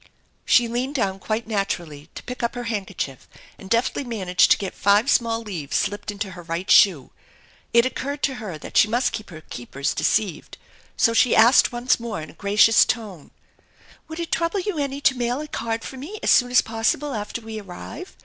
She leaned down quite naturally to pick up her handkerchief and deftly managed tc get five small leaves slipped into her right shoe. It occurred to her that she must keep her keepers deceived, so she asked once more in gracious tones :" Would it trouble you any to mail a card for me as soon as possible after we arrive?